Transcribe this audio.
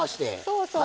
そうそう。